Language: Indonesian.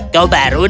kau baru saja